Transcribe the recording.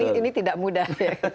ini tidak mudah